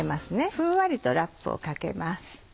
ふんわりとラップをかけます。